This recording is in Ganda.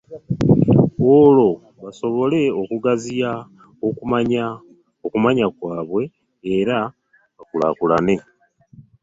Olwo basobole okugaziya okumanya kwabwe era bakulaakulane.